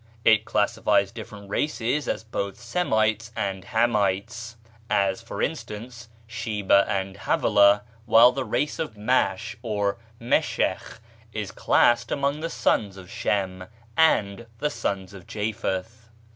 It classes different races as both Semites and Hamites; as, for instance, Sheba and Havilah; while the race of Mash, or Meshech, is classed among the sons of Shem and the sons of Japheth.